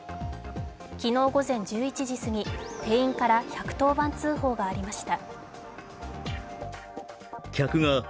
昨日午前１１時過ぎ、店員から１１０番通報がありました。